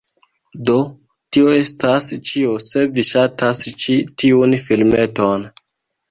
Do, tio estas ĉio se vi ŝatas ĉi tiun filmeton